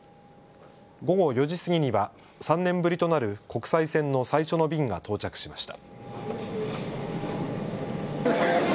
午後４時過ぎには３年ぶりとなる国際線の最初の便が到着しました。